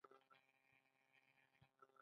د ایران بریښنا شبکه پراخه ده.